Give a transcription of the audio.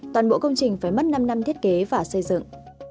toàn bộ công trình phải mất năm năm thiết kế và xây dựng